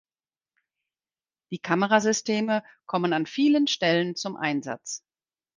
Die Kamerasysteme kommen an vielen Stellen zum Einsatz.